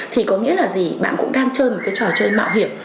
thì có nghĩa là gì bạn cũng đang chơi một cái trò chơi mạo hiểm